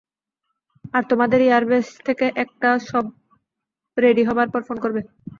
আর তোমাদের এয়ারবেস থেকে একটা সব রেডি হবার পর ফোন করবে।